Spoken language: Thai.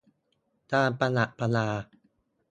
การประดับประดา